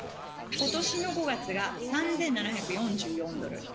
今年の５月が３７４４ドル。